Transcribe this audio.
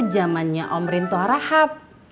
zamannya om rinto harahap